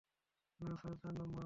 না, স্যার, চার নম্বর।